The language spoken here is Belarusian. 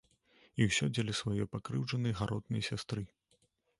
І ўсё дзеля сваёй пакрыўджанай гаротнай сястры.